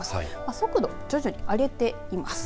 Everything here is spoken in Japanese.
速度、徐々に上げています。